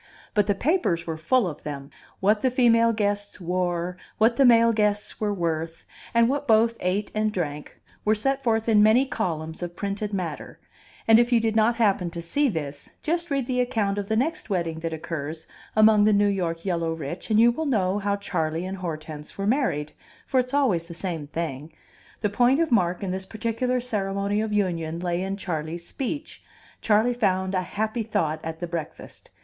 But the papers were full of them; what the female guests wore, what the male guests were worth, and what both ate and drank, were set forth in many columns of printed matter; and if you did not happen to see this, just read the account of the next wedding that occurs among the New York yellow rich, and you will know how Charley and Hortense were married; for it's always the same thing. The point of mark in this particular ceremony of union lay in Charley's speech; Charley found a happy thought at the breakfast.